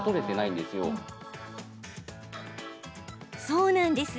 そうなんです。